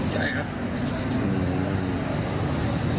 ใช่ครับ